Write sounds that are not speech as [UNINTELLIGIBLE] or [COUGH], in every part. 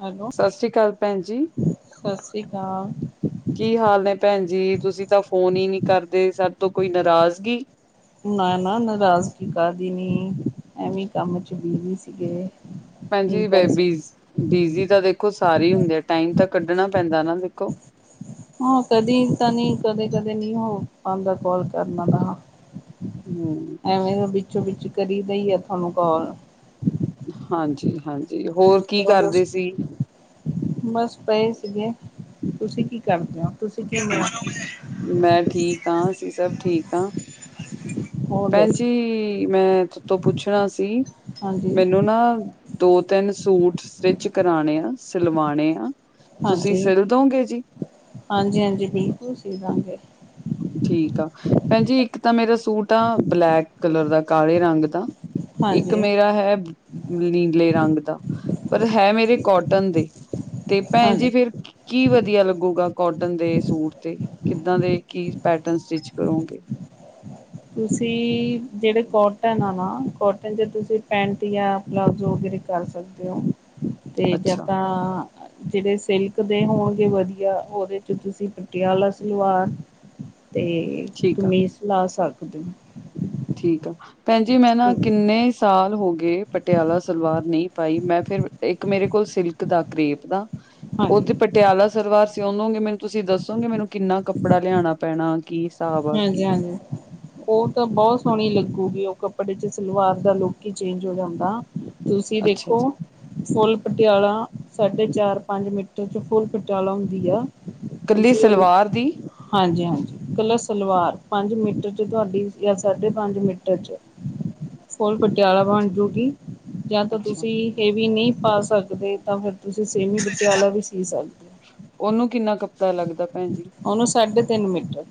Hello Sat Sri ਅਕਾਲ ਭੈਣ ਜੀ। ਸਤਿ ਸ੍ਰੀ ਅਕਾਲ ਕੀ ਹਾਲ ਨੇ ਭੈਣ ਜੀ, ਤੁਸੀਂ ਤਾਂ ਫੋਨ ਈ ਨਈ ਕਰਦੇ ਸਾਡੇ ਤੋਂ ਕੋਈ ਨਾਰਾਜ਼ਗੀ? ਨਾ-ਨਾ ਨਾਰਾਜ਼ਗੀ ਕਾਹਦੀ ਨੀ ਐਵੇਂ ਕੰਮ ਚ ਬੀਜ਼ੀ ਸੀਗੇ। ਨਹੀਂ ਭੈਣਜੀ ਬ ਕਰ ਸਕ ਬੀਜ ਬਿਜੀ ਤਾਂ ਦੇਖੋ ਸਾਰੇ ਈ ਹੁੰਦੇ ਆ ਟਾਈਮ ਤਾਂ ਕੱਢਣਾ ਪੈਂਦਾ ਨਾ ਦੇਖੋ। ਹ ਕਦੇ ਤਾਂ ਨੀ, ਕਦੇ-ਕਦੇ ਨਈ ਹੋ ਪਾਂਦਾ ਕੋੱਲ ਕਰਨਾ ਦਾ। ਹਮ ਐਵੇਂ ਵਿੱਚੋਂ ਵਿੱਚ ਕਰੀ ਦਾ ਈ ਆ ਤੁਆਨੂੰ ਕੋੱਲ। ਹਾਂਜੀ-ਹਾਂਜੀ ਹੋਰ ਕੀ ਕਰਦੇ ਸੀ। ਬਸ ਪਏ ਸੀਗੇ, ਤੁਸੀਂ ਕੀ ਕਰਦੇ ਓ, ਤੁਸੀਂ ਕਿਵੇਂ ਓ? ਮੈਂ ਠੀਕ ਆ, ਅਸੀਂ ਸਬ ਠੀਕ ਆ। ਹੋ ਭੈਣ ਦੱਸ ਜੀ, ਮੈਂਥੈਤੋਂ ਪੁੱਛਣਾ ਸੀ ਹਾਂਜੀ ਮੈਨੂੰ ਨਾ ਦੋ-ਤਿੰਨ ਸੂਟ ਸਟਿਚ ਕਰਾਣੇ ਆ, ਸਿਲਵਾਣੇ ਆ। ਤੁਸੀਂ ਹਾਂਜੀ, ਸਿਲ ਦੋਗੇ ਜੀ ਹਾਂਜੀ-ਹਾਂਜੀ, ਠੀਕ ਓ ਤੁਸੀ [UNINTELLIGIBLE] ਠੀਕ ਆ, ਭੈਣ ਜੀ ਇੱਕ ਤਾਂ ਮੇਰਾ ਸੂਟ ਆ ਬਲੈਕ ਕਲਰ ਦਾ, ਕਾਲੇ ਰੰਗ ਦਾ ਇੱਕ ਹਾਂਜੀ ਮੇਰਾ ਹੈ ਨੀਲੇ ਰੰਗ ਦਾ, ਪਰ ਹੈ ਮੇਰੇ ਕੋਟਨ ਦੇ ਤੇ ਭੈਣ ਜੀ ਹਾਂਜੀ ਫਿਰ ਕੀ ਵਦੀਆ ਲੱਗੂਗਾ ਕੋਟਨ ਦੇ ਸੂਟ ਤੇ ਕਿੱਦਾਂ ਦੇ ਕੀ ਪੈਟਰਨ ਸਟਿਚ ਕਰੋਂਗੇ। ਤੁਸੀਂ ਜੇੜੇ ਕੋਟਨ ਆ ਨਾ, ਕੋਟਨ ਚ ਤੁਸੀਂ ਪੈਂਟ ਯਾ ਪਲਾਜੋ ਵਗੈਰੇ ਕਰ ਸਕਦੇ ਓ ਤੇ ਯਾ ਅੱਛਾ ਤਾਂ ਜੇੜੇ ਸਿਲਕ ਦੇ ਹੋਣਗੇ ਵਦੀਆ ਉਹਦੇ ਚ ਤੁਸੀਂ ਪਟਿਆਲਾ ਸਲਵਾਰ [INAUDIBLE] ਤੇ ਠੀਕ ਆ ਤੁਮੀ ਸਿਲਾ ਸਕਦੇ ਓ। ਠੀਕ ਆ, ਭੈਣ ਜੀ ਮੈਂ ਨਾ ਕਿੰਨੇ ਸਾਲ ਹੋ ਗਏ ਪਟਿਆਲਾ ਸਲਵਾਰ ਨਈ ਪਾਈ, ਮੈਂ ਫੇਰ ਇੱਕ ਮੇਰੇ ਕੋਲ ਸਿਲਕ ਦਾ, ਕਰੇਪ ਦਾ ਹਾਂਜੀ ਓਦੀ ਪਟਿਆਲਾ ਸਰਲਵਾਰ ਸਿਉਂਦੋਂਗੇ ਮੈਨੂੰ ਤੁਸੀਂ ਦੱਸੋਗੇ ਮੈਨੂੰ ਕਿੰਨਾ ਕੱਪੜਾ ਲਿਆਣਾ ਪੈਣਾ ਕੀ ਹਿਸਾਬ ਆ ਕੀ ਹਾਂਜੀ-ਹਾਂਜੀ। ਉਹ ਤਾਂ ਬਹੁਤ ਸੋਹਣੀ ਲੱਗੂਗੀ ਉਹ ਕੱਪੜੇ ਚ ਸਲਵਾਰ ਦਾ ਲੁੱਕ ਈ ਚੇਂਜ ਹੋ ਜਾਂਦਾ। ਤੁਸੀਂ ਅੱਛਾ ਦੇਖੋ ਜੀ, ਫੁੱਲ ਪਟਿਆਲਾ ਸਾਢੇ-ਚਾਰ, ਪੰਜ ਮੀਟਰ ਚ ਫੁੱਲ ਪਟਿਆਲਾ ਹੁੰਦੀ ਆ। ਕੱਲੀ ਤੁਸੀਂ ਉਹਦੇ ਸਲਵਾਰ ਦੀ ਹਾਂਜੀ-ਹਾਂਜੀ ਕਲਰਸ ਸਲਵਾਰ ਪੰਜ ਮੀਟਰ ਚ ਤੁਆਡੀ ਯਾ ਸਾਢੇ-ਪੰਜ ਮੀਟਰ ਚ ਫੁੱਲ ਪਟਿਆਲਾ ਬਣ ਅੱਛਾ ਜੂਗੀ ਯਾ ਤਾਂ ਅੱਛਾ ਤੁਸੀਂ ਇਹ ਵੀ ਨਈ ਪਾ ਸਕਦੇ ਤਾਂ ਫਿਰ ਤੁਸੀਂ ਸੇਮੀ ਪਟਿਆਲਾ ਵੀ ਸੀ ਸਕਦੇ। ਉਹਨੂੰ ਕਿੰਨਾ ਕੱਪੜਾ ਲੱਗਦਾ ਭੈਣ ਜੀ? ਉਹਨੂੰ ਸਾਢੇ-ਤਿੰਨ ਮੀਟਰ।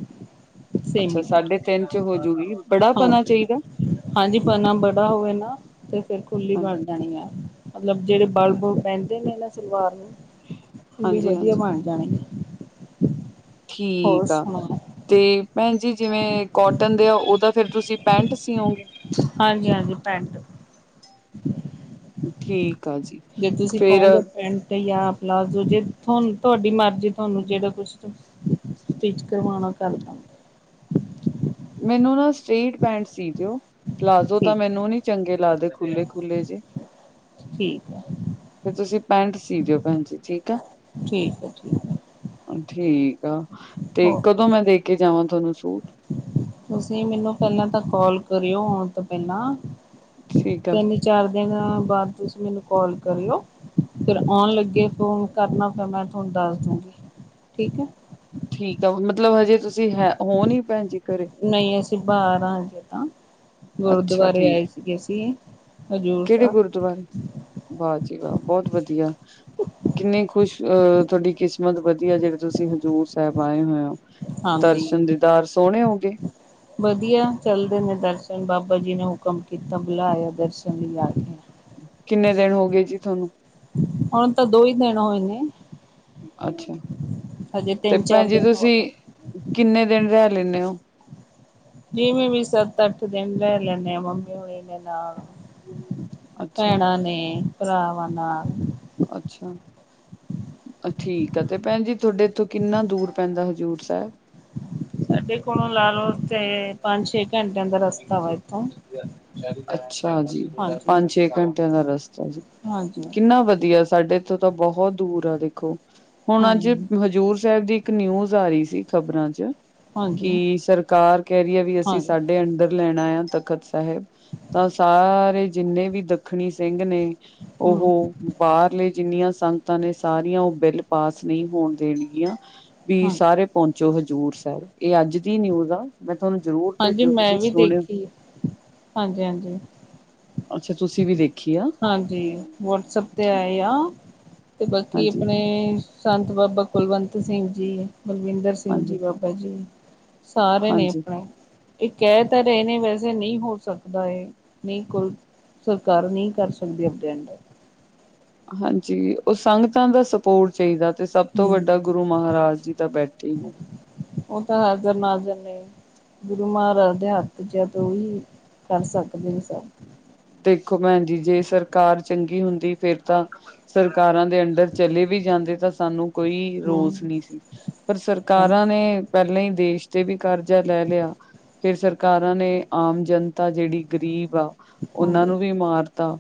ਅੱਛਾ ਸੇਮੀ ਸਾਢੇ-ਤਿੰਨ ਚ ਹੋਜੂਗੀ, ਬੜਾ ਪਨਾ ਹਾਂਜੀ ਚਾਈਦਾ। ਹਾਂਜੀ ਪੰਨਾ ਬੜਾ ਹੋਵੇ ਨਾ, ਤੇ ਫਿਰ ਖੁੱਲੀ ਹਾਂਜੀ ਬਣ ਜਾਣੀ ਆ ਮਤਲਬ ਜਿਹੜੇ ਬਲ ਬਲ ਪੈਂਦੇ ਨੇ ਇਹਨਾਂ ਸਲਵਾਰ ਨੂੰ ਵੀ ਹਾਂਜੀ ਵਧੀਆ ਹਾਂਜੀ ਬਣ ਜਾਣੇਗੇ ਠੀਕ ਆ, ਸੁਣਾਓ ਤੇ ਭੈਣ ਜੀ ਜਿਵੇਂ ਕੋਟਨ ਦੇ ਆ ਉਹਦਾ ਫਿਰ ਤੁਸੀਂ ਪੈਂਟ ਸੀਓਂਗੇ। ਹਾਂਜੀ-ਹਾਂਜੀ, ਪੈਂਟ ਹ [INAUDIBLE] ਠੀਕ ਆ ਜੀ, ਫੇਰ ਤੇ ਯਾ ਪਲਾਜ਼ੋ ਜੇ ਤੁਆਨੂੰ ਤੁਆਡੀ ਮਰਜ਼ੀ ਤੁਆਨੂੰ ਜੇੜਾ ਕੁਛ ਸਟਿਚ ਕਰਵਾਣਾ ਕਰਦਾ। ਮੈਨੂੰ ਨਾ ਸਟ੍ਰੇਟ ਪੈਂਟ ਸੀ ਦਿਓ ਪਲਾਜ਼ੋ ਤਾਂ ਠੀਕ ਹੈ ਮੈਨੂੰ ਨੀ ਚੰਗੇ ਲੱਗਦੇ ਖੁੱਲੇ-ਖੁੱਲੇ ਜੇ। ਠੀਕ ਹੈ ਫਿਰ ਤੁਸੀਂ ਪੈਂਟ ਸੀ ਦਿਓ, ਭੈਣ ਜੀ ਠੀਕ ਆ ਠੀਕ ਹੈ ਠੀਕ ਹੈ ਠੀਕ ਆ ਤੇ ਹੋਰ ਕਦੋਂ ਮੈਂ ਦੇ ਕੇ ਜਾਵਾਂ ਤੁਹਾਨੂੰ ਸੂਟ ਤੁਸੀਂ ਮੈਨੂੰ ਪਹਿਲਾਂ ਤਾਂ ਕਾਲ ਕਰਿਓ ਆਉਣ ਤੋਂ ਪਹਿਲਾਂ ਠੀਕ ਆ ਤਿੰਨ -ਚਾਰ ਦਿਨ ਬਾਅਦ ਤੁਸੀਂ ਮੈਨੂੰ ਕਾਲ ਕਰਿਓ ਫਿਰ ਆਉਣ ਲੱਗੇ ਫੋਨ ਕਰਨਾ ਫਿਰ ਮੈਂ ਤੁਹਾਨੂੰ ਦੱਸ ਦੇਵਾਂਗੀ, ਠੀਕ ਹੈ ਠੀਕ ਆ ਮਤਲਬ ਹਜੇ ਤੁਸੀਂ ਹੈ ਹੋ ਨੀ ਭੈਣ ਜੀ ਘਰੇ ਨਹੀਂ ਅਸੀਂ ਬਾਹਰ ਆ ਹਜੇ ਤਾਂ, ਅੱਛਾ ਗੁਰਦੁਆਰੇ ਆਏ ਠੀਕ ਸੀਗੇ ਅਸੀਂ ਹਜ਼ੂਰ ਕਿਹੜੇ ਸਾਹਿਬ ਗੁਰਦੁਆਰੇ, ਵਾਹ ਜੀ ਵਾਹ ਬਹੁਤ ਵਧੀਆ ਕਿੰਨੀ ਖੁਸ਼ ਅਹ ਤੁਹਾਡੀ ਕਿਸਮਤ ਵਧੀਆ ਜਿਹੜੇ ਤੁਸੀਂ ਹਜ਼ੂਰ ਸਾਹਿਬ ਆਏ ਹੋਏ ਹੋ ਹਾਂਜੀ ਦਰਸ਼ਨ ਦੀਦਾਰ ਸੋਹਣੇ ਹੋ ਗਏ ਵਧੀਆ ਚੱਲਦੇ ਨੇ ਦਰਸ਼ਨ ਬਾਬਾ ਜੀ ਨੇ ਹੁਕਮ ਕੀਤਾ ਬੁਲਾਇਆ ਦਰਸ਼ਨ ਯਾਦ ਕਿੰਨੇ ਦਿਨ ਹੋ ਗਏ ਜੀ ਤੁਹਾਨੂੰ ਹੁਣ ਤਾਂ ਦੋ ਹੀ ਦਿਨ ਹੋਏ ਨੇ ਅੱਛਾ ਹਜੇ ਤੇ ਤਿੰਨ ਚਾਰ ਭੈਣ ਜੀ ਦਿਨ ਹੋ ਤੁਸੀਂ ਗਏ। ਕਿੰਨੇ ਦਿਨ ਰਹਿ ਲੈਂਦੇ ਹੋ ਜਿਵੇਂ ਵੀ ਸੱਤ- ਅੱਠ ਦਿਨ ਰਹਿ ਲੈੰਦੇ ਆ ਮੰਮੀ ਹੋਣੀ ਦੇ ਨਾਲ ਅੱਛਾ ਭੈਣਾਂ ਨੇ ਭਰਾਵਾਂ ਨਾਲ ਅੱਛਾ ਠੀਕ ਆ ਤੇ ਭੈਣ ਜੀ ਤੁਹਾਡੇ ਇੱਥੋਂ ਕਿੰਨਾ ਦੂਰ ਪੈਂਦਾ ਹਜ਼ੂਰ ਸਾਹਿਬ ਸਾਡੇ ਕੋਲੋਂ ਲਾ ਲਓ ਤੇ ਪੰਜ -ਛੇ ਘੰਟੇ ਅੱਛਾ ਜੀ, ਹਾਂਜੀ। ਪੰਜ- ਛੇ ਘੰਟਿਆਂ ਦਾ ਰਸਤਾ ਜੀ ਹਾਂਜੀ ਕਿੰਨਾ ਵਧੀਆ ਸਾਡੇ ਇੱਥੋਂ ਤਾਂ ਬਹੁਤ ਦੂਰ ਆ ਦੇਖੋ, ਹੂੰ ਹੁਣ ਅੱਜ ਹਾਂਜੀ ਹਜ਼ੂਰ ਸਾਹਿਬ ਦੀ ਇਕ ਨਿਊਜ਼ ਆ ਰਹੀ ਸੀ ਖ਼ਬਰਾਂ ਚ, ਹਾਂਜੀ ਕਿ ਸਰਕਾਰ ਕਹਿ ਰਹੀ ਹੈ ਵੀ ਅਸੀਂ ਸਾਡੇ ਅੰਦਰ ਲੈਣਾ ਆ ਤਖ਼ਤ ਸਾਹਿਬ, ਤਾਂ ਸਾਰੇ ਜਿੰਨੇ ਵੀ ਦੱਖਣੀ ਸਿੰਘ ਨੇ ਹੂੰ ਉਹ ਬਾਹਰਲੇ ਜਿੰਨੀਆਂ ਸੰਗਤਾਂ ਨੇ ਸਾਰੀਆਂ ਉਹ ਬਿੱਲ ਪਾਸ ਨਹੀਂ ਹੋਣ ਦੇਣਗੀਆਂ ਵੀ ਹਾਂਜੀ। ਸਾਰੇ ਪਹੁੰਚੋ ਹਜ਼ੂਰ ਸਾਹਿਬ ਇਹ ਅੱਜ ਦੀ ਨਿਊਜ਼ ਆ ਮੈਂ ਤੁਹਾਨੂੰ ਜਰੂਰ ਹਾਂਜੀ ਭੇਜੋ ਮੈਂ ਤੁਸੀਂ ਵੀ ਸੁਣਿਓ। ਦੇਖੀ ਹਾਂਜੀ- ਹਾਂਜੀ ਅੱਛਾ ਤੁਸੀਂ ਵੀ ਦੇਖ ਹਾਂਜੀ ਵਟਸਐਪ 'ਤੇ ਹਾਂਜੀ, ਆਏ ਹ ਅਤੇ ਬਾਕੀ ਹਾਂਜੀ, ਆਪਣੇ ਸੰਤ ਬਾਬਾ ਕੁਲਵੰਤ ਸਿੰਘ ਜੀ, ਬਲਵਿੰਦਰ ਸਿੰਘ ਜੀ ਹਾਂਜੀ, ਬਾਬਾ ਜੀ ਸਾਰੇ ਨੇ ਹਾਂਜੀ। ਆਪਣੇ ਇਹ ਕਹਿ ਤਾਂ ਰਹੇ ਨੇ ਵੈਸੇ ਨਹੀਂ ਹੋ ਸਕਦਾ ਇਹ ਨਹੀਂ ਕੋਈ ਸਰਕਾਰ ਨਹੀਂ ਤਰ ਸਕਕ ਦੀ ਅਪਡਟ ਹਾਂਜੀ, ਉਹ ਸੰਗਤਾਂ ਦਾ ਭੋਰ ਚਾਹੀਦਾ ਤੇ ਸਭ ਤੋਂ ਹੂੰ, ਵੱਡਾ ਗੁਰੂ ਮਹਾਰਾਜ ਜੀ ਤਾਂ ਬੈਠੇ ਹੀ ਉਹ ਤਾਂ ਹਜ਼ਰ ਨਾਜ਼ਰ ਨਹੀਂ ਗੁਰੂ ਮਹਾਰਾਜ ਦੇ ਹੱਥ ਚ ਆ ਤ ਵੀ ਕਰ ਸਕਦੇ ਹੋ ਸਭ ਦੇਖੋ ਭੈਣ ਜੀ ਜੇ ਸਰਕਾਰ ਚੰਗੀ ਹੁੰਦੀ ਫਿਰ ਤਾਂ ਸਰਕਾਰਾਂ ਦੇ ਅੰਡਰ ਚਲੇ ਵੀ ਜਾਂਦੇ ਤਾਂ ਸਾਨੂੰ ਕੋਈ ਹੂੰ ਰੋਸ ਨਹੀਂ ਸੀ, ਪਰ ਸਰਕਾਰਾਂ ਨੇ ਪਹਿਲਾਂ ਹੀ ਦੇਸ਼ ਤੇ ਵੀ ਕਰਜ਼ਾ ਲੈ ਲਿਆ। ਫਿਰ ਸਰਕਾਰਾਂ ਨੇ ਆਮ ਜਨਤਾ ਜਿਹੜੀ ਗਰੀਬ ਆ ਉਹਨਾਂ ਹਾਂਜੀ ਨੂੰ ਵੀ ਮਾਰਤਾ,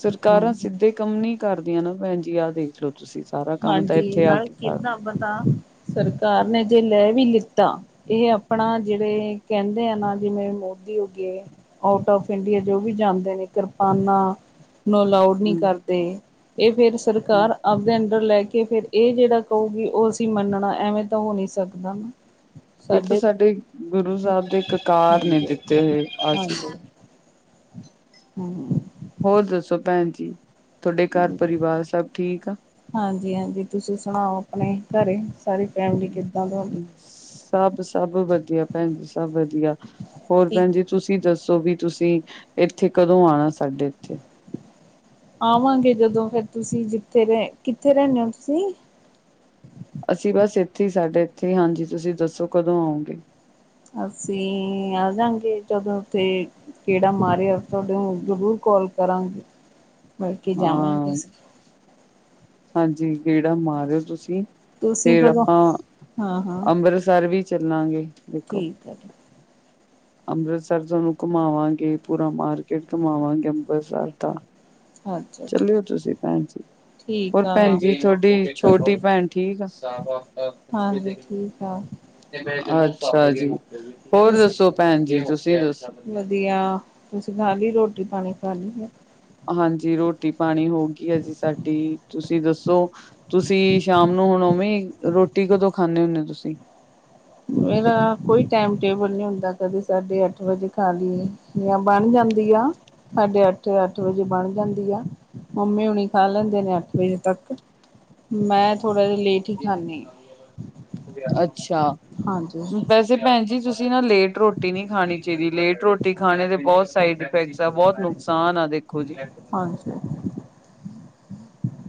ਸਰਕਾਰਾਂ ਹੂੰ ਸਿੱਧੇ ਕੰਮ ਨੀ ਕਰਦੀਆਂ ਨਾ ਭੈਣ ਜੀ ਆ ਦੇਖ ਚਲੋ ਤੁਸੀਂ ਸਾਰਾ ਕੰਮ ਤਾਂ ਇੱਥੇ ਆ ਕੇ ਕਰ ਤਾਂ ਸਰਕਾਰ ਨੇ ਜੇ ਲੈ ਵੀ ਲਿੱਤਾ ਇਹ ਆਪਣਾ ਜਿਹੜੇ ਕਹਿੰਦੇ ਆ ਨਾ ਜਿਵੇਂ ਮੋਦੀ ਹੋ ਗ ਆਊਟ ਆਫ ਇੰਡੀਆ ਜੋ ਵੀ ਜਾਂਦੇ ਨੇ ਕਿਰਪਾਨਾ ਨੂੰ ਅਲਾਉਡ ਨਹੀਂ ਹੂੰ। ਕਰਦੇ ਇਹ ਫੇਿਰ ਸਰਕਾਰ ਆਪਦੇ ਲੈ ਕੇ ਫਿਰ ਇਹ ਜਿਹੜਾ ਕਹੂਗੀ ਉਹ ਅਸੀਂ ਮੰਨਣਾ ਐਵੇਂ ਤਾਂ ਹੋ ਨਹੀ ਸਕਦਾ ਨਾ ਇਹ ਤਾਂ ਸਾਡੇ ਗੁਰੂ ਸਾਹਿਬ ਦੇ ਕਕਾਰ ਨੇ ਦਿੱਤੇ ਹੋਏ ਆਸ਼ ਹੂੰ, ਹੋਰ ਦੱਸੋ, ਭੈਣ ਜੀ ਤੁਹਾਡੇ ਘਰ ਪਰਿਵਾਰ ਸਭ ਠੀਕ ਆ? ਹਾਂਜੀ-ਹਾਂਜੀ, ਤੁਸੀਂ ਸੁਣਾਓ ਆਪਣੇ ਘਰੇ ਸਾਰੀ ਫੈਮਲੀ ਕਿੱਦਾਂ ਤੁਹਾਡੀ? ਸਭ ਸਭ ਵਧੀਆ ਭੈਣ ਜੀ ਸਭ ਵਧੀਆ, ਹੋਰ ਠੀਕ ਭੈਣ ਜੀ, ਤੁਸੀਂ ਦੱਸੋ ਵੀ ਤੁਸੀਂ ਇੱਥੇ ਕਦੋਂ ਆਉਣਾ ਸਾਡੇ ਇੱਥੇ? ਆਵਾਂਗੇ ਜਦੋਂ ਫੇਰ, ਤੁਸੀਂ ਜਿੱਥੇ ਰ ਕਿੱਥੇ ਰਹਿੰਦੇ ਹੋ ਤੁਸੀਂ? ਅਸੀਂ ਬਸ ਇੱਥੇ ਹੀ ਸਾਡੇ ਇੱਥੇ ਹੀ ਹਾਂਜੀ, ਤੁਸੀਂ ਦੱਸੋ ਕਦੋਂ ਆਓਂਗੇ। ਅਸੀਂ ਆ ਜਾਂਗੇ ਜਦੋਂ ਉੱਥੇ, ਕਿਹੜਾ ਮਾਰਿਆ ਤੁਹਾਡੇ ਜ਼ਰੂਰ ਕਾਲ ਕਰਾਂਗੇ। ਮਿਲ ਕੇ ਜਾਵਾਂਗੇ ਹਾਂ ਅਸੀਂ ਹਾਂਜੀ ਗੇੜਾ ਮਾਰਿਓ ਤੁਸੀਂ, ਤੁਸੀਂ ਫੇਰ ਕਦੋਂ ਆਪਾਂ, ਹਾਂ-ਹਾਂ ਅੰਮ੍ਰਿਤਸਰ ਵੀ ਚੱਲਾਂਗੇ। ਦੇਖੋ। ਠੀਕ ਹੈ ਜੀ, ਅੰਮ੍ਰਿਤਸਰ ਤੁਹਾਨੂੰ ਘੁਮਾਵਾਂਗੇ, ਪੂਰਾ ਮਾਰਕੀਟ ਘੁਮਾਵਾਂਗੇ, ਅੰਮ੍ਰਿਤਸਰ ਦਾ ਅੱਛਾ-ਅੱਛਾ ਚੱਲਿਓ ਤੁਸੀਂ ਭੈਣ ਜੀ, ਠੀਕ ਹੋਰ ਆ ਭੈਣ ਜੀ, ਤੁਹਾਡੀ ਛੋਟੀ ਭੈਣ ਠੀਕ ਆ? ਹਾਂਜੀ ਠੀਕ ਆ, ਅੱਛਾ ਜੀ, ਹੋਰ ਦੱਸੋ ਭੈਣ ਜੀ ਤੁਸੀਂ ਦੱਸੋ? ਵਧੀਆਂ, ਤੁਸੀਂ ਖਾ ਲਈ ਰੋਟੀ ਪਾਣੀ ਖਾ ਲਈ ਐ। ਹਾਂਜੀ ਰੋਟੀ ਪਾਣੀ ਹੋ ਗਈ ਹੈ ਜੀ ਸਾਡੀ, ਤੁਸੀਂ ਦੱਸੋ? ਤੁਸੀਂ ਸ਼ਾਮ ਨੂੰ ਹੁਣ ਵੇਂ ਰੋਟੀ ਕਦੋਂ ਖਾਂਦੇ ਹੁੰਦੇ ਹੋ ਤੁਸੀਂ? ਮੇਰਾ ਕੋਈ ਟਾਈਮ ਟੇਬਲ ਨਹੀਂ ਹੁੰਦਾ ਕਦੇ ਸਾਡੇ ਅੱਠ ਵਜੇ ਖਾਲੀ ਜਾਂ ਬਣ ਜਾਂਦੀ ਆ, ਸਾਡੇ ਅੱਠ ਅੱਠ ਵਜੇ ਬਣ ਜਾਂਦੀ ਆ। ਮੰਮੀ ਹੁਣੀ ਖਾ ਲੈਂਦੇ ਨੇ ਅੱਠ ਵਜੇ ਤੱਕ, ਮੈਂ ਥੋੜ੍ਹਾ ਜਿਹਾ ਲੇਟ ਹੀ ਖਾਂਦੀ ਹਾਂ। ਅੱਛਾ, ਹਾਂਜੀ ਵੈਸੇ ਭੈਣ ਜੀ ਤੁਸੀਂ ਨਾ ਲੇਟ ਰੋਟੀ ਨਹੀਂ ਖਾਣੀ ਚਾਹੀਦੀ, ਲੇਟ ਰੋਟੀ ਖਾਣੇ ਦੇ ਬਹੁਤ ਸਾਈਡ ਇਫੈਕਟਸ ਆ ਬਹੁਤ ਨੁਕਸਾਨ ਆ ਦੇਖੋ ਜੀ,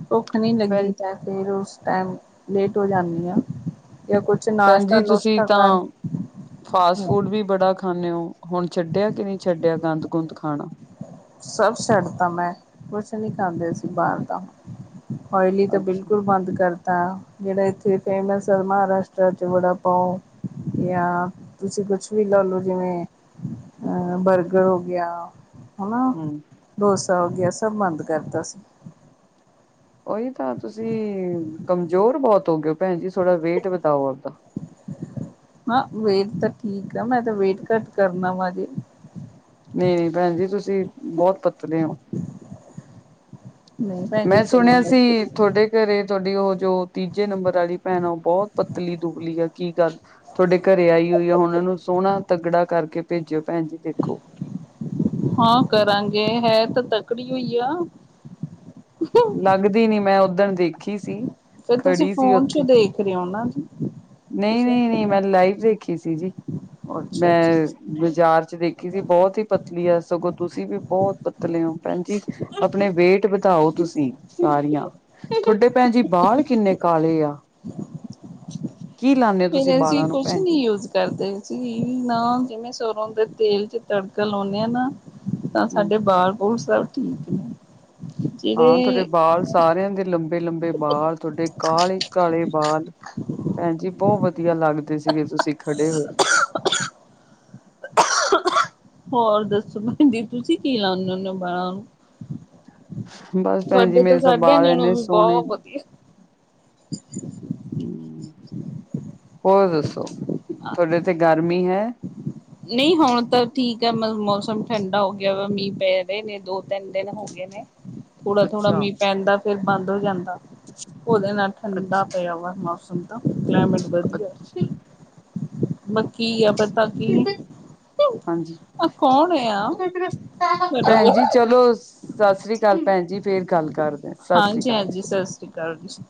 ਭੁੱਖ ਨੀ ਲੱਗੀ, ਭੈਣ ਫਿਰ ਉਸ ਟਾਈਮ ਲੇਟ ਹੋ ਜਾਂਦੀ ਹਾਂ ਜਾਂ ਕੁਛ ਭੈਣ ਨਾਸ਼ਤਾ ਜੀ ਤੁਸੀਂ ਨੁਸ਼ਤਾ ਤਾਂ ਕਰ ਫਾਸਟ ਫੂਡ ਵੀ, ਬੜਾ ਖਾਂਦੇ ਹੋ ਹੁਣ ਛੱਡਿਆ ਕਿ, ਨਹੀਂ ਛੱਡਿਆ ਗੰਦ ਗੁੰਦ ਖਾਣਾ ਸਭ ਛੱਡਤਾ ਮੈਂ ਕੁਛ ਨਹੀਂ ਖਾਂਦੇ ਸੀ ਬਾਹਰ ਦਾ, ਓਇਲੀ ਤਾਂ ਅੱਛਾ ਬਿਲਕੁਲ ਬੰਦ ਕਰ ਤਾਂ ਜਿਹੜਾ ਇੱਥੇ ਫੇਮਸ ਆ ਮਹਾਰਾਸ਼ਟਟਰ ਚਚ ਬੜਾ ਪਾਓ, ਜਾਂ ਤੁਸੀਂ ਕੁਛ ਵੀ ਲਾ ਲਓ ਜਿਵੇਂ ਅਹ ਬਰਗਰ ਹੋ ਗਿਆ। ਹੈਾ ਹਮ ਡੋਸਾ ਹੋ ਗਿਆ, ਸਭ ਬੰਦ ਕਰਤਾ ਸੀ। ਉਹੀ ਤਾਂ, ਤੁਸੀਂ ਕਮਜ਼ੋਰ ਬਹੁਤ ਹੋ ਗਏ ਓ ਭੈਣ ਜੀ, ਥੋੜਾ ਵੇਟ ਵਧਾਓ ਆਪਦਾ। ਨਾ ਵੇਟ ਤਾਂ ਠੀਕ ਆ, ਮੈਂ ਤਾਂ ਵੇਟ ਘੱਟ ਕਰਨਾ ਵਾ ਜੀ ਨਹੀਂ -ਨਹੀਂ, ਭੈਣ ਜੀ ਤੁਸੀਂ ਬਹੁਤ ਪਤਲੇ ਹੋ। ਨਹੀਂ ਭੈਣ ਜੀ ਮੈਂ ਤੁਹਾਨੂੰ ਸੁਣਿਆ ਮੈਂ ਸੀ ਤੁਹਾਡੇ ਘਰੇ ਤੁਹਾਡੀ ਉਹ ਜੋ ਤੀਜੇ ਨੰਬਰ ਵਾਲੀ ਭੈਣ ਆ, ਉਹ ਬਹੁਤ ਪਤਲੀ ਦੁਬਲੀ ਆ, ਕੀ ਗੱਲ? ਤੁਹਾਡੇ ਘਰੇ ਆਈ ਹੋਈ ਆ, ਹੁਣ ਨੂੰ ਸੋਹਣਾ ਤਗੜਾ ਕਰਕੇ ਭੇਜਿਓ ਭੈਣ ਜੀ ਦੇਖੋ। ਹਾਂ ਕਰਾਂਗੇ ਹੈ, ਤਾਂ ਤਕੜੀ ਹੋਈ ਆ। ਲੱਗਦੀ ਨੀ ਮੈਂ ਉੱਧਣ ਦੇਖੀ ਸੀ। ਫਿਰ ਤੁਸੀਂ ਖੜੀ ਸੀ ਫੋਨ ਚੋ ਉੱਥੇ ਦੇਖ ਰਹੇ ਹੋ ਨਾ, ਨਹੀਂ, ਤੁਸੀਂ ਨਹੀਂ, ਨਹੀਂ ਮੈਂ ਅੱਛਾ ਲਾਈਵ ਦੇਖੀ ਸੀ ਜੀ। ਅੱਛਾ, ਅੱਛਾ, ਮੈਂ ਬਾਜ਼ਾਰ ਚ ਦੇਖੀ ਸੀ, ਬਹੁਤ ਹੀ ਪਤਲੀ ਆ ਸਗੋਂ ਤੁਸੀਂ ਵੀ ਬਹੁਤ ਪਤਲੇ ਹੋ ਭੈਣ ਜੀ। ਆਪਣੇ ਵੇਟ ਵਧਾਓ, ਤੁਸੀਂ ਸਾਰੀਆਂ ਤੁਹਾਡੇ ਭੈਣ ਜੀ ਬਾਲ ਕਿੰਨੇ ਕਾਲੇ ਆ। ਕੀ ਲਾਦੇ ਹੋ ਤੁਸੀਂ ਫਿਰ ਅਸੀਂ ਬਾਲਾਂ ਨੂੰ ਕੁਛ ਭੈਣ ਨੀ ਜੀ, ਯੂਜ ਕਰਦੇ ਸੀ, ਨਾ ਜਿਵੇਂ ਸਰੋਂ ਦੇ ਤੇਲ ਚ ਤੜਕਾ ਲਾਉਂਦੇ ਹਾਂ ਨਾ, ਤਾਂ ਹਮ ਸਾਡੇ ਬਾਲ- ਬੂਲ ਸਭ ਠੀਕ ਨੇ। ਹਾਂ, ਤੁਹਾਡੇ ਜਿਹੜੇ ਬਾਲ ਸਾਰਿਆਂ ਦੇ ਲੰਬੇ ਲੰਬੇ -ਲੰਬੇ, ਬਾਲ ਤੁਹਾਡੇ ਕਾਲੇ -ਕਾਲੇ ਬਾਲ ਭੈਣ ਜੀ ਬਹੁਤ ਵਧੀਆ ਲੱਗਦੇ। ਸੀਗੇ, ਤੁਸੀਂ ਖੜੇ ਹੋਏ। [UNINTELLIGIBLE] ਹੋਰ ਦੱਸੋ, ਭੈਣ ਜੀ, ਤੁਸੀਂ ਕੀ ਲਾਉਦੇ ਹੁੰਦੇ ਹੋ, ਬਾਲਾਂ ਨੂੰ? ਬਸ ਭੈਣ ਜੀ ਤੁਹਾਡੇ ਤਾਂ, ਮੇਰੇ ਸਾਡੇ ਬਾਲ ਨਾਲੋ ਇੰਨੇ ਵੀ ਸੋਹਣੇ ਬਹੁਤ ਵਧੀਆ। ਹਮ- ਹੋਰ ਦੱਸੋ, ਤੁਹਾਡੇ ਓਥੇ ਗਰਮੀ ਹੈ? ਨਹੀਂ ਹੁਣ ਤਾਂ ਠੀਕ ਹੈ, ਮ ਮੌਸਮ ਠੰਡਾ ਹੋ ਗਿਆ ਵਾ, ਮੀਂਹ ਪੈ ਰਹੇ ਨੇ, ਦੋ ਤਿੰਨ- ਦਿਨ ਹੋ ਗਏ ਨੇ। [INAUDIBLE] ਥੋੜਾ- ਥੋੜਾ, ਅੱਛਾ, ਮੀਂਹ ਪੈਂਦਾ ਫਿਰ ਬੰਦ ਹੋ ਜਾਂਦਾ, ਉਹਦੇ ਨਾਲ ਠੰਡਾ ਅੱਛਾ, ਪਿਆ ਵਾ ਮੌਸਮ। ਕਲਾਈਮੇਟ ਵਧੀਆ, ਅੱਛ ਬਾਕੀ ਆ ਪਤਾ ਕੀ ਹਾਂਜੀ। ਆ ਕੌਣ ਆ ਤੁਹਾਡਾ ਭੈਣ ਜੀ, ਚਲੋ ਸਤਿ ਸ੍ਰੀ ਅਕਾਲ ਭੈਣ ਜੀ, ਫੇਰ ਗੱਲ ਕਰਦੇ, ਸਤਿ ਸ੍ਰੀ ਹਾਂਜੀ ਅਕਾਲ। ਹਾਂਜੀ ਸਤਿ ਸ੍ਰੀ ਅਕਾਲ ਜੀ।